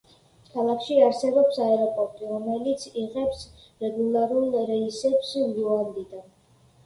ქალაქში არსებობს აეროპორტი, რომელიც იღებს რეგულარულ რეისებს ლუანდიდან.